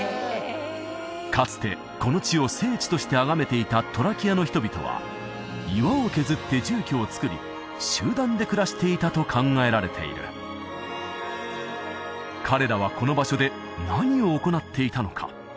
かつてこの地を聖地として崇めていたトラキアの人々は岩を削って住居をつくり集団で暮らしていたと考えられている彼らはこの場所で何を行っていたのか？